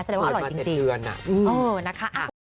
แสดงว่าอร่อยจริงนะคะอืม